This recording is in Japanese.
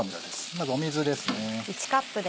まず水ですね。